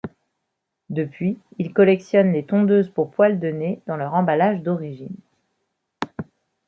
Depuis, il collectionne les tondeuses pour poils de nez dans leur emballage d'origine.